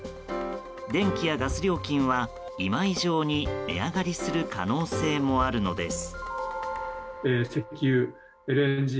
電気やガス料金は、今以上に値上りする可能性もあるのです。